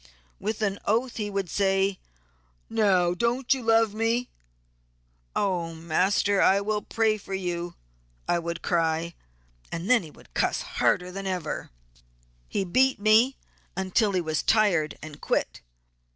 With an oath he would say, 'now don't you love me?' 'Oh master, I will pray for you, I would cry, then he would 'cuss' harder than ever.' He beat me until he was tired and quit.